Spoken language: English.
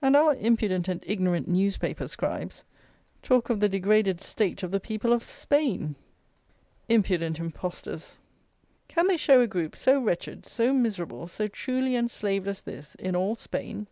And our impudent and ignorant newspaper scribes talk of the degraded state of the people of Spain! Impudent impostors! Can they show a group so wretched, so miserable, so truly enslaved as this, in all Spain?